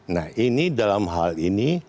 nah ini dalam hal ini